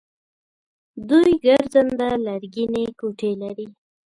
دوی ګرځنده لرګینې کوټې لري.